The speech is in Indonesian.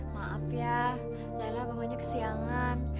maaf ya nailah kebanyakan kesiangan